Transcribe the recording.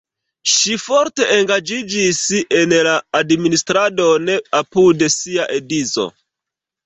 Ŝi forte engaĝiĝis en la administradon apud sia edzo.